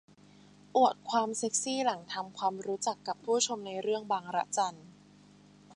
อวดความเซ็กซี่หลังทำความรู้จักกับผู้ชมในเรื่องบางระจัน